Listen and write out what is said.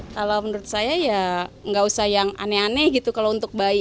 kalau menurut saya ya nggak usah yang aneh aneh gitu kalau untuk bayi